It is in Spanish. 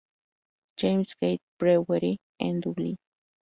James's Gate Brewery, en Dublín.